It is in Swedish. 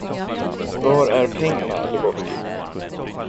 Var är pengarna, Lebowski?